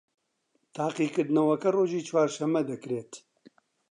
تاقیکردنەوەکە ڕۆژی چوارشەممە دەکرێت